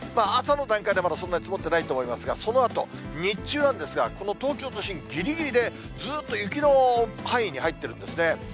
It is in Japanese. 朝の段階ではそんなに降ってないと思いますが、そのあと、日中なんですが、この東京都心、ぎりぎりでずっと雪の範囲に入っているんですね。